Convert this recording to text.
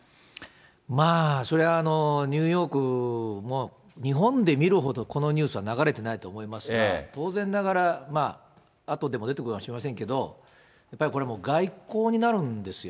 まあ、それはニューヨークも日本で見るほどこのニュースは流れてないと思いますが、当然ながら、あとでも出てくるかもしれませんけど、やっぱりこれもう、外交になるんですよ。